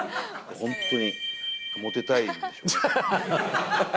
本当にモテたいんでしょうね。